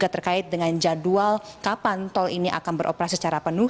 terkait dengan jadwal kapan tol ini akan beroperasi secara penuh